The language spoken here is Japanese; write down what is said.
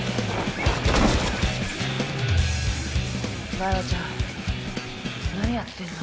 台場ちゃん何やってんの？